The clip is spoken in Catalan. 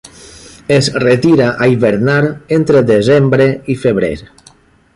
Es retira a hivernar entre desembre i febrer.